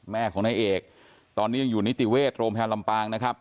แม่ของนายเอกตอนนี้ยังอยู่นิติเวชโรงพยาบาลลำปางนะครับ